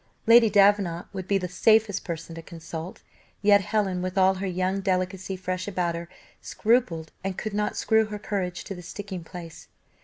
Lady Davenant would be the safest person to consult; yet Helen, with all her young delicacy fresh about her, scrupled, and could not screw her courage to the sticking place.